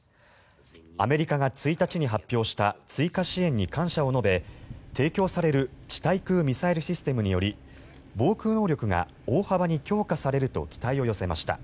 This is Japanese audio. アメリカが１日に発表した追加支援に感謝を述べ提供される地対空ミサイルシステムにより防空能力が大幅に強化されると期待を寄せました。